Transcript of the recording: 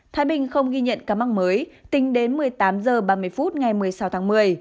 thái bình không ghi nhận ca mắc mới tính đến một mươi tám h ba mươi phút ngày một mươi sáu tháng một mươi